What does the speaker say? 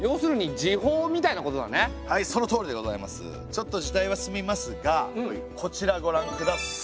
ちょっと時代は進みますがこちらご覧下さい！